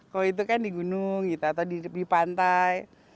kalau itu kan di gunung gitu atau di pantai